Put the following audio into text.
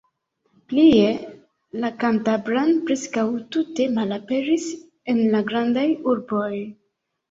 Plie, la kantabra preskaŭ tute malaperis en la grandaj urboj.